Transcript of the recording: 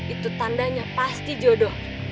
itu tandanya pasti jodoh